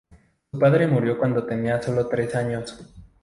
Su padre murió cuando tenía sólo tres años.